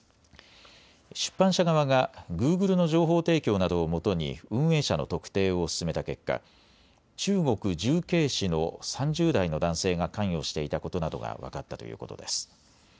出版社側がグーグルの情報提供などをもとに運営者の特定を進めた結果、中国・重慶市の３０代の男性が関与していたことなどが分かったということです。